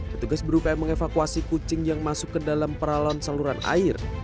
petugas berupaya mengevakuasi kucing yang masuk ke dalam peralon saluran air